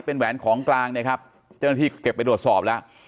เป็นแหวนของกลางนะครับเจ้าหน้าที่เก็บไปตรวจสอบแล้ว